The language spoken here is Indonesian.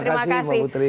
terima kasih mbak putri